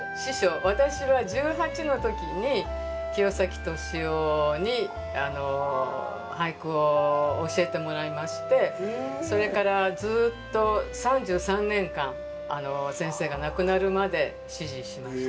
私は１８の時に清崎敏郎に俳句を教えてもらいましてそれからずっと３３年間先生が亡くなるまで師事しました。